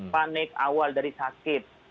panik awal dari sakit